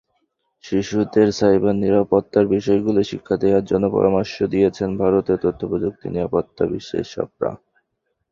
শিশুদের সাইবার নিরাপত্তার বিষয়গুলো শিক্ষা দেওয়ার জন্য পরামর্শ দিয়েছেন ভারতের তথ্য-প্রযুক্তি নিরাপত্তা বিশ্লেষকেরা।